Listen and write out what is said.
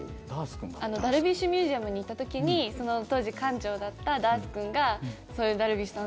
ダルビッシュミュージアムに行った時に当時館長だったダース君がダルビッシュさん